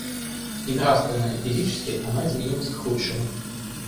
И нравственно и физически она изменилась к худшему.